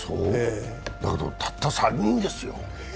だけど、たった３人ですよ？